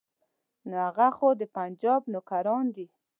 نو هغه خو د پنجاب نوکران دي.